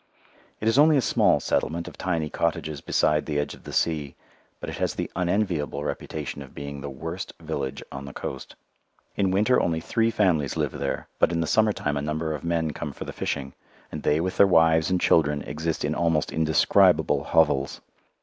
It is only a small settlement of tiny cottages beside the edge of the sea, but it has the unenviable reputation of being the worst village on the coast. In winter only three families live there, but in the summer time a number of men come for the fishing, and they with their wives and children exist in almost indescribable hovels.